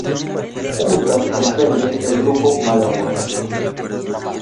Juntas comprenden el Grupo Malargüe.